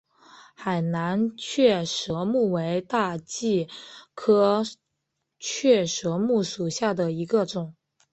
海南雀舌木为大戟科雀舌木属下的一个种。